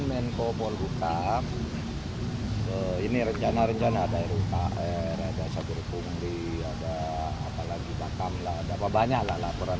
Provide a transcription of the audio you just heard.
menkopol hukam ini rencana rencana ada rukr ada sabar pungli ada apalagi bakam ada banyak lah laporan